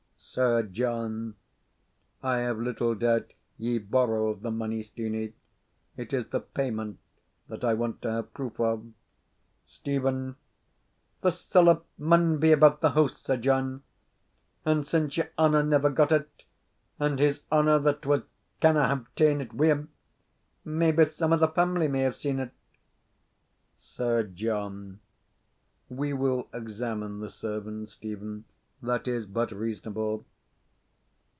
Sir John. I have little doubt ye borrowed the money, Steenie. It is the payment that I want to have proof of. Stephen. The siller maun be about the house, Sir John. And since your honour never got it, and his honour that was canna have ta'en it wi' him, maybe some of the family may hae seen it. Sir John. We will examine the servants, Stephen; that is but reasonable.